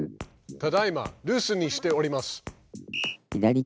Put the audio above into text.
ただいま留守にしております。